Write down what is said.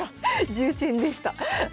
重鎮でした。